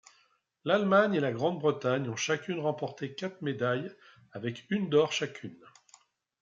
L'Allemagne et la Grande-Bretagne ont chacune remportée quatre médailles avec une d'or chacune.